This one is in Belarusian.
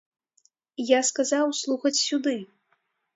Я сказаў слухаць сюды.